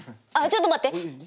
あっちょっと待って！